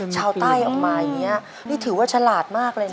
ชาวใต้ออกมาอย่างนี้นี่ถือว่าฉลาดมากเลยนะ